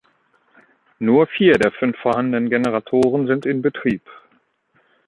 Nur vier der fünf vorhandenen Generatoren sind in Betrieb.